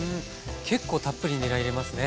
結構たっぷりにら入れますね。